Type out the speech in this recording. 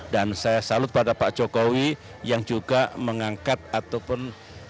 dan saya salut pada pak jokowi yang juga mengangkat ataupun